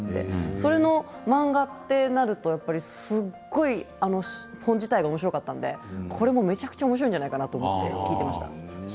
それの漫画ってなるとやっぱり本自体がおもしろかったのでこれもめちゃくちゃおもしろいじゃないかなと思って聞いていました。